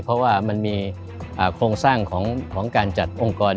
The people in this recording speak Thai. เพราะว่ามันมีโครงสร้างของการจัดองค์กร